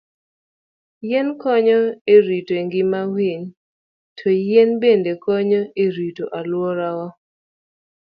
Yien konyo e rito ngima winy, to yien bende konyo e rito alwora.